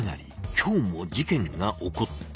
今日も事件が起こった。